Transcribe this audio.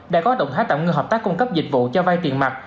đã có động thái tạm ngưng hợp tác cung cấp dịch vụ cho vay tiền mặt